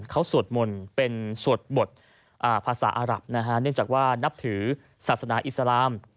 เขาสวดมนต์เป็นสวดบทภาษาอารับนะฮะเนื่องจากว่านับถือศาสนาอิสลาม